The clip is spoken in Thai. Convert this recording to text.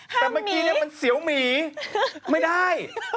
ถ้ามีอย่างนี้ถูกแต่เมื่อกี้มันเสียวหมี่ไม่ได้